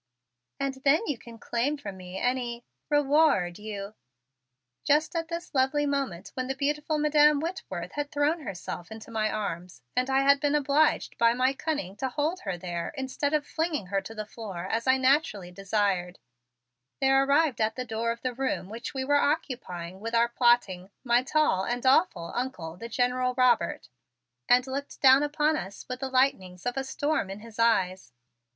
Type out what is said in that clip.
"And then you can claim from me any reward you " Just at this lovely moment, when the beautiful Madam Whitworth had thrown herself into my arms and I had been obliged by my cunning to hold her there instead of flinging her to the floor as I naturally desired, there arrived at the door of the room which we were occupying with our plotting, my tall and awful Uncle, the General Robert, and looked down upon us with the lightnings of a storm in his eyes.